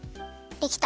できた。